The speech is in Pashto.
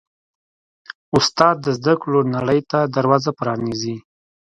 استاد د زده کړو نړۍ ته دروازه پرانیزي.